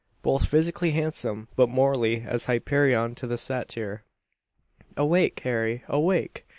Both physically handsome; but morally, as Hyperion to the Satyr. "Awake, Harry! awake!"